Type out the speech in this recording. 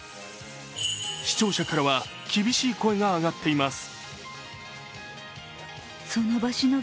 視聴者からは厳しい声が上がっています。